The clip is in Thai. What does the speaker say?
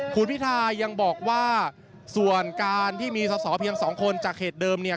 คุณพิทายังบอกว่าส่วนการที่มีสอสอเพียงสองคนจากเหตุเดิมเนี่ย